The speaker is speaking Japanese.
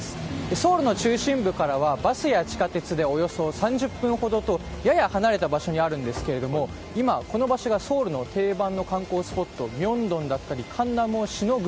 ソウルの中心部からはバスや地下鉄でおよそ３０分ほどとやや離れた場所にあるんですが今、この場所がソウルの定番の観光スポットミョンドンだったりカンナムをしのぐ